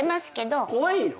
昔怖いの？